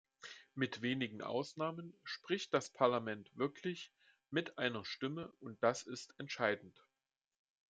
Mit wenigen Ausnahmen spricht das Parlament wirklich mit einer Stimme und das ist entscheidend.